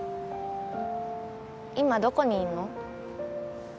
今どこにいんの？